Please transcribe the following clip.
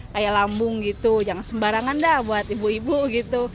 kayak lambung gitu jangan sembarangan dah buat ibu ibu gitu